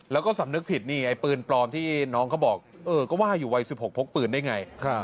แล้วก็สำนึกผิดนี่ไอ้ปืนปลอมที่น้องเขาบอกเออก็ว่าอยู่วัย๑๖พกปืนได้ไง